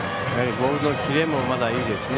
ボールのキレもまだいいですね。